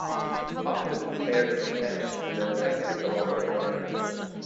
Of the two pairs of antennae, the second is the longer and thinner.